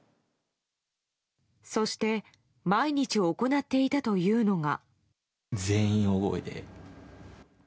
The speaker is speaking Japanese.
そして毎日行っていたというのが。